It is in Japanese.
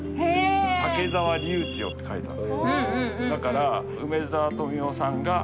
「竹澤龍千代」って書いてある。